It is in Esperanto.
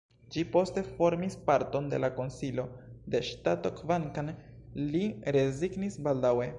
Ĝi poste formis parton de la Konsilo de ŝtato, kvankam li rezignis baldaŭe.